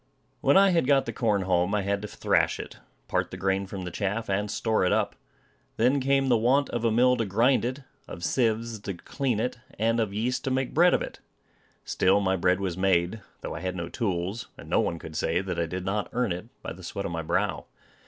When I had got the corn home, I had to thrash it, part the grain from the chaff, and store it up. Then came the want of a mill to grind it, of sieves to clean it, and of yeast to make bread of it. Still, my bread was made, though I had no tools; and no one could say that I did not earn it, by the sweat of my brow.